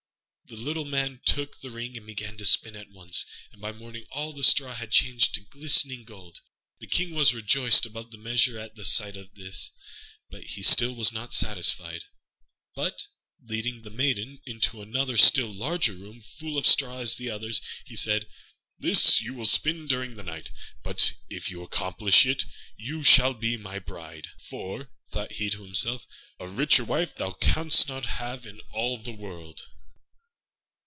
The little Man took the ring and began to spin at once, and by morning all the straw was changed to glistening gold. The King was rejoiced above measure at the sight of this, but still he was not satisfied, but, leading the maiden into another still larger room, full of straw as the others, he said, "This you must spin during the night; but if you accomplish it you shall be my bride." "For," thought he to himself, "a richer wife thou canst not have in all the world."